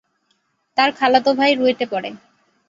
তার খালাতো ভাই রুয়েটে পড়ে।